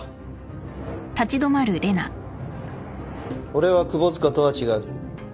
俺は窪塚とは違う。